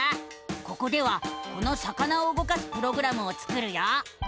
ここではこの魚を動かすプログラムを作るよ！